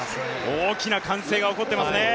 大きな歓声が起きていますね！